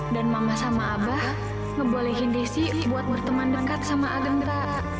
dan mama sama abah ngebolehin desi buat berteman banget sama agenda